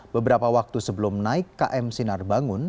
beberapa waktu sebelum naik km sinar bangun